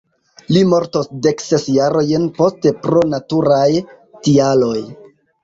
Li mortos dek ses jarojn poste pro naturaj tialoj.